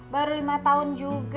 baru lima tahun juga